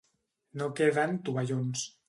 No queden tovallons.